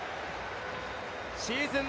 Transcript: シーズン